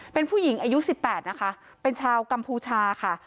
เป็นผู้หญิงอายุ๑๘นะคะเป็นชาวกัมพูชาค่ะ